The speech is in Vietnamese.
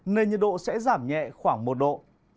nên nhiệt độ sẽ giảm nhẹ khoảng một độ